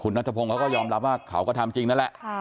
นัทพงศ์เขาก็ยอมรับว่าเขาก็ทำจริงนั่นแหละ